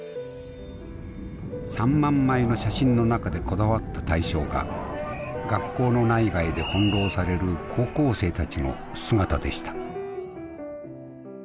３万枚の写真の中でこだわった対象が学校の内外で翻弄される高校生たちの姿でした。